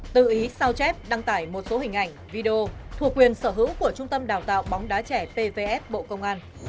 tự ý sao chép đăng tải một số hình ảnh video thuộc quyền sở hữu của trung tâm đào tạo bóng đá trẻ pvf bộ công an